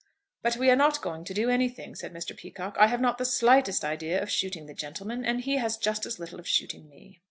"But we are not going to do anything," said Mr. Peacocke. "I have not the slightest idea of shooting the gentleman; and he has just as little of shooting me."